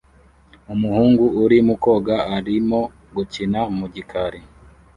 Umuhungu uri mu koga arimo gukina mu gikari